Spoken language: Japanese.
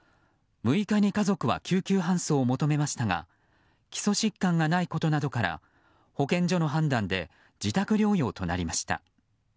６日に家族は救急搬送を求めましたが基礎疾患がないことなどから保健所の判断で自宅療養となりました。